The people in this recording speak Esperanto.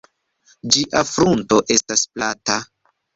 Ĝia frunto estas plata.